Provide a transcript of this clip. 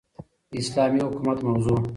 داسلامي حكومت موضوع